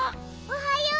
おはよう。